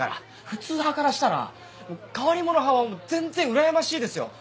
普通派からしたら変わり者派は全然うらやましいですよ。